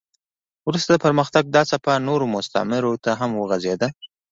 وروسته د پرمختګ دا څپه نورو مستعمرو ته هم وغځېده.